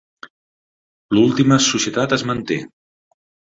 L'última societat es manté.